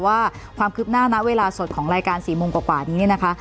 ว่าความคืบหน้าณเวลาสดของรายการ๔โมงกว่านี้เนี่ยนะคะ